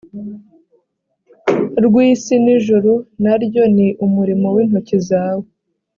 rw isi n ijuru na ryo ni umurimo w intoki zawe